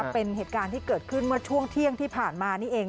เป็นเหตุการณ์ที่เกิดขึ้นเมื่อช่วงเที่ยงที่ผ่านมานี่เอง